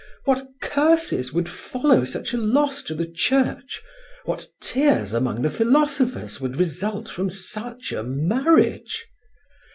What curses would follow such a loss to the Church, what tears among the philosophers would result from such a marriage!